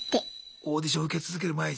オーディション受け続ける毎日。